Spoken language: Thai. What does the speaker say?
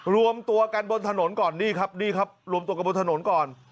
รวมตัวกันบนถนนก่อนนี่ครับนี่ครับรวมตัวกันบนถนนก่อน